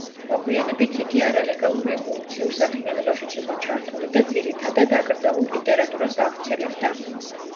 მოგვიანებით იგი არალეგალურ რევოლუციურ საქმიანობაშიც იყო ჩართული და ძირითადად აკრძალულ ლიტერატურას ავრცელებდა.